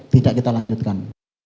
tidak kita lanjutkan